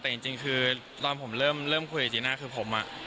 แต่จริงคือตอนผมเริ่มคุยกับจีน่าคือผม